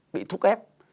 bị thúc ép